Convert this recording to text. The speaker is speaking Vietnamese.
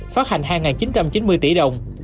phát hành hai chín trăm chín mươi tỷ đồng